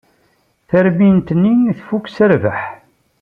Tarmit-nni tfuk s rrbeḥ.